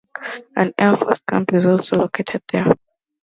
An air force camp is also located there.